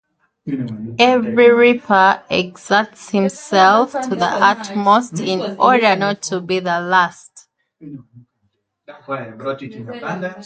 Every reaper exerts himself to the utmost in order not to be the last.